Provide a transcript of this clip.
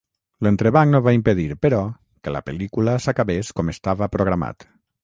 L'entrebanc no va impedir però que la pel·lícula s’acabés com estava programat.